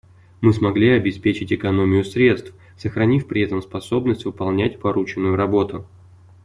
Мы смогли обеспечить экономию средств, сохранив при этом способность выполнять порученную работу.